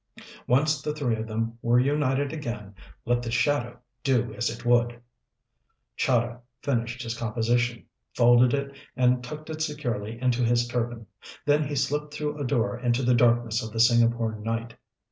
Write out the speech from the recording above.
Once the three of them were united again, let the shadow do as it would! Chahda finished his composition, folded it and tucked it securely into his turban, then he slipped through a door into the darkness of the Singapore night.